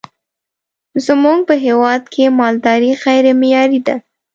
زمونږ په هیواد کی مالداری غیری معیاری ده